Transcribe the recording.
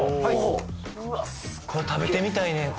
うわこれ食べてみたいねん